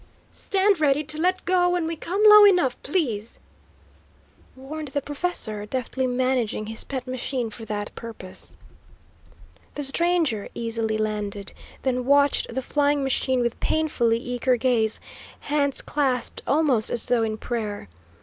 "Stand ready to let go when we come low enough, please," warned the professor, deftly managing his pet machine for that purpose. The stranger easily landed, then watched the flying machine with painfully eager gaze, hands clasped almost as though in prayer.